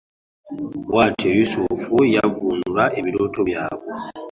Bwatyo Yusuufu yavunula ebirooto byabwe .